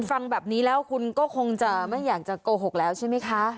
ฟังแบบนี้แล้วคุณก็คงจะไม่อยากจะโกหกแล้วใช่ไหมคะ